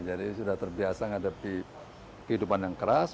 jadi sudah terbiasa ngadepi kehidupan yang keras